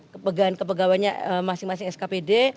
kepegawainya masing masing skpd